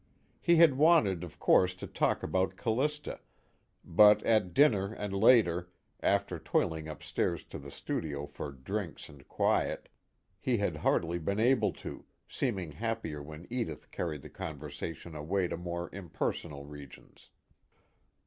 He had wanted of course to talk about Callista, but at dinner and later, after toiling upstairs to the studio for drinks and quiet, he had hardly been able to, seeming happier when Edith carried the conversation away to more impersonal regions.